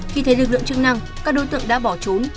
khi thấy lực lượng chức năng các đối tượng đã bỏ trốn